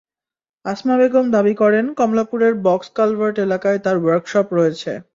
আসমা বেগম দাবি করেন, কমলাপুরের বক্স কালভার্ট এলাকায় তাঁর ওয়ার্কশপ রয়েছে।